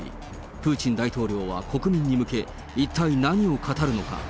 プーチン大統領は国民に向け、一体何を語るのか。